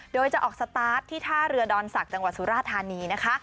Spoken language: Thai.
โดยจะออกสตาร์ทที่ท่าเรือดอนศักดิ์จังหวัดสุราธานีนะคะ